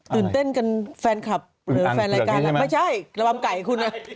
ตื่นเต้นกันแฟนคลับหรือแฟนรายการไม่ใช่ระวังไก่คุณนะ